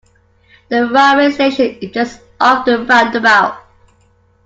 The railway station is just off the roundabout